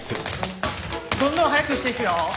どんどん速くしていくよ。